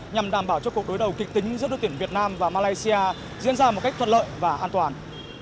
nhằm đảm bảo cho cuộc đối đầu kịch tính giữa đội tuyển việt nam và malaysia diễn ra một cách thuận lợi và an toàn